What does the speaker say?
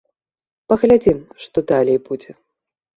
Паглядзім, што далей будзе.